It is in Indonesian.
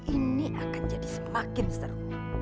ini akan jadi semakin seru